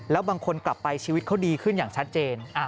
แล้วบางคนกลับไปชีวิตเขาดีขึ้นอย่างชัดเจน